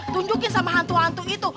tunjukin sama hantu hantu itu